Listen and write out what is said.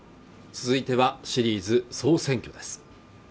続いてはシリーズ「総選挙」です